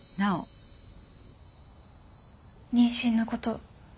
妊娠のこと